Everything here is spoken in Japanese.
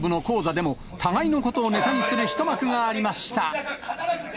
真剣勝負の高座でも、互いのことをネタにする一幕がありました。